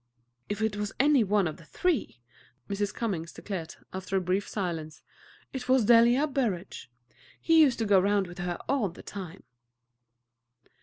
"If it was any one of the three," Mrs. Cummings declared, after a brief silence, "it was Delia Burrage. He used to go round with her all the time."